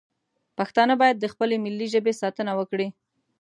پښتانه باید د خپلې ملي ژبې ساتنه وکړي